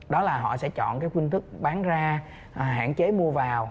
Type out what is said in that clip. đó là họ sẽ chọn cái phương thức bán ra hạn chế mua vào